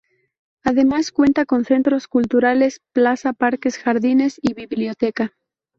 Además cuenta con centros culturales, plaza, parques, jardines y biblioteca.